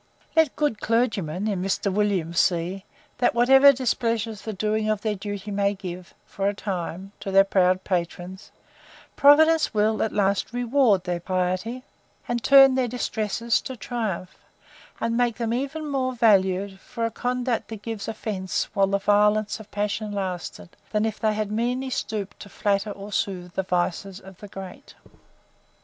Let good CLERGYMEN, in Mr. WILLIAMS, see, that whatever displeasure the doing of their duty may give, for a time, to their proud patrons, Providence will, at last, reward their piety, and turn their distresses to triumph; and make them even more valued for a conduct that gave offence while the violence of passion lasted, than if they had meanly stooped to flatter or soothe the vices of the great.